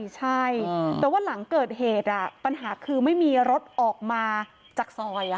ใช่แต่ว่าหลังเกิดเหตุปัญหาคือไม่มีรถออกมาจากซอย